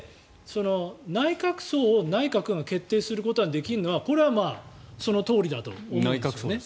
内閣葬を内閣が決定できるのはこれはそのとおりだと思うんです。